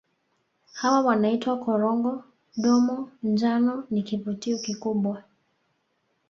Hawa wanaitwa Korongo Domo njano ni kivutio kikubwa